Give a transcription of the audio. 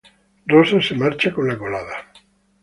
Rosa se marcha con la colada.